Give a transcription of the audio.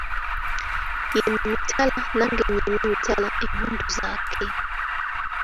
Yima emitala nange nnyime emitala emmundu zaake.